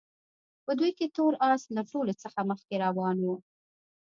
په دوی کې تور اس له ټولو څخه مخکې روان وو.